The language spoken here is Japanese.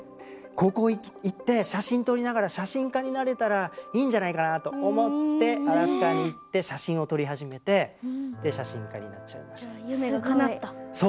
ここ行って写真撮りながら写真家になれたらいいんじゃないかなぁと思ってアラスカに行って写真を撮り始めて写真家になっちゃいました。